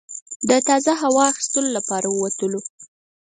د تازه هوا اخیستلو لپاره ووتلو.